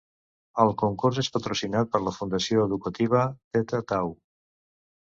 El concurs és patrocinat per la Fundació Educativa Theta Tau.